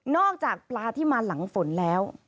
จากปลาที่มาหลังฝนแล้ว